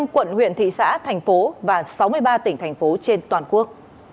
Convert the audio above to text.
một trăm linh quận huyện thị xã thành phố và sáu mươi ba tỉnh thành phố trên toàn quốc